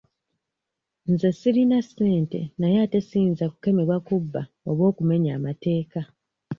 Nze sirina ssente naye ate siyinza kukemebwa kubba oba okumenya amateeka.